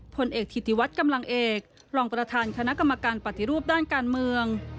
ผลเอกธิติวัฒน์กำลังเอกรองประธานคณะกรรมการปฏิรูปด้านการเมือง